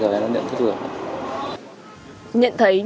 nhận thức hợp nhận thức hợp nhận thức hợp